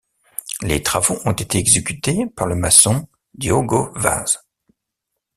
Les travaux ont été exécutés par le maçon Diogo Vaz.